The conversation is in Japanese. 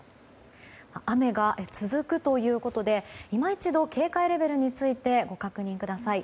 雨が続くということで今一度、警戒レベルについてご確認ください。